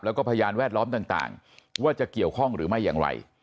แล้วก็พยานแวดล้อมต่างว่าจะเกี่ยวข้องหรือไม่อย่างไร